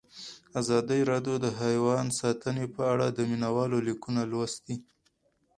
ازادي راډیو د حیوان ساتنه په اړه د مینه والو لیکونه لوستي.